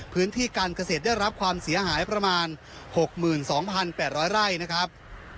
พื้นที่การเกษตรได้รับความเสียหายประมาณหกหมื่นสองพันแปดร้อยไร่นะครับ